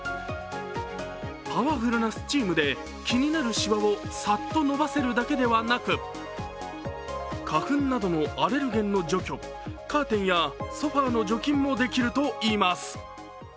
パワフルなスチームで気になるしわをさっと伸ばせるだけでなく、花粉などのアレルゲンの除去、カーテンやソファーの除菌もできるといいます。